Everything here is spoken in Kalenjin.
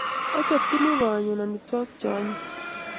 Achapchini boyonyu amitwogik che anyiny